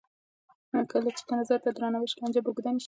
کله چې نظر ته درناوی وشي، لانجه به اوږده نه شي.